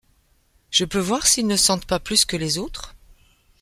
Je peux voir s’ils ne sentent pas plus que les autres ?